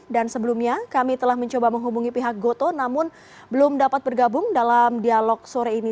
dan sebelumnya kami telah mencoba menghubungi pihak goto namun belum dapat bergabung dalam dialog sore ini